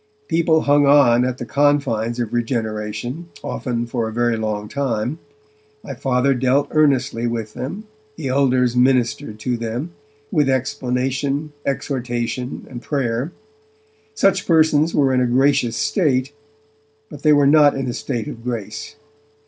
People hung on at the confines of regeneration, often for a very long time; my Father dealt earnestly with them, the elders ministered to them, with explanation, exhortation and prayer. Such persons were in a gracious state, but they were not in a state of grace.